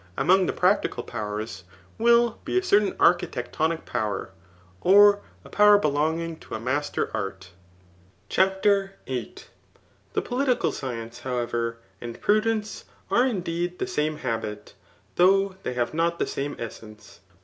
among the practical powers,] will be a certain architectonic power [or a power belonging to a master art.3 CHAPTER VIII. The political science, however, and prudence are in deed the same habit, though they have not the same essence.